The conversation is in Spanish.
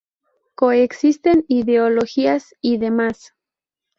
Coexisten ideologías y demás.